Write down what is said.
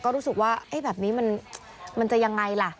ก็รู้สึกว่าแบบนี้มันจะยังไงล่ะ